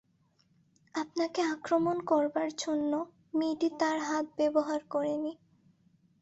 আপনাকে আক্রমণ করবার জন্যে মেয়েটি তার হাত ব্যবহার করে নি।